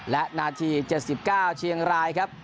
และนาที๗๙เชียงรายครับ